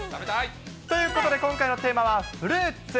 ということで、今回のテーマはフルーツ。